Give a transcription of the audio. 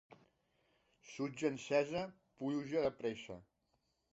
Sutja encesa, pluja de pressa.